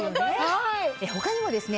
他にもですね